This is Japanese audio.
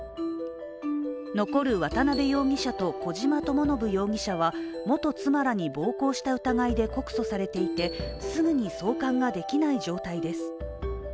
残る渡辺容疑者と小島智信容疑者は元妻らに暴行した疑いで告訴されていてすぐに送還ができない状態です。